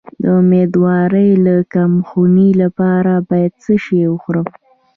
د امیدوارۍ د کمخونی لپاره باید څه شی وخورم؟